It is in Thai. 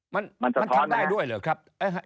มันทำได้ด้วยเหรอครับ